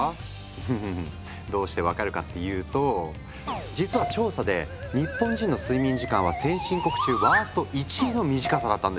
うんうんうんどうして分かるかっていうと実は調査で日本人の睡眠時間は先進国中ワースト１位の短さだったんです。